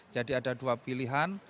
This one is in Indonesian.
jadi ada dua pilihan